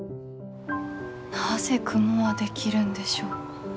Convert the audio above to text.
なぜ雲は出来るんでしょう。